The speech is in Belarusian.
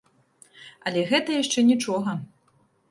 Але гэта яшчэ нічога.